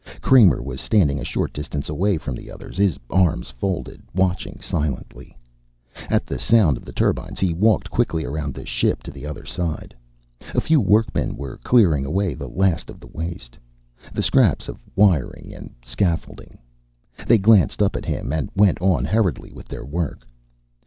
Kramer was standing a short distance away from the others, his arms folded, watching silently. At the sound of the turbines he walked quickly around the ship to the other side. A few workmen were clearing away the last of the waste, the scraps of wiring and scaffolding. They glanced up at him and went on hurriedly with their work.